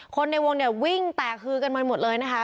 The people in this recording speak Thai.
คนในวงเนี่ยวิ่งแตกฮือกันมาหมดเลยนะคะ